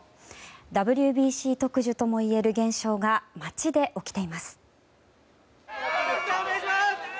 ＷＢＣ特需ともいえる現象が街で起きています。